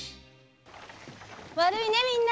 悪いねみんな！